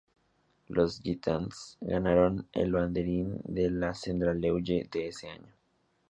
Los "Giants" ganaron el banderín de la "Central League" de ese año.